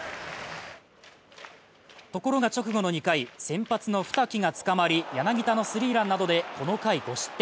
ところが、直後の２回、先発の二木がつかまり、柳田のスリーランなどでこの回、５失点。